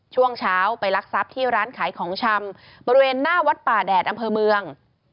ช่วงเช้าไปรักทรัพย์ที่ร้านขายของชำบริเวณหน้าวัดป่าแดดอำเภอเมือง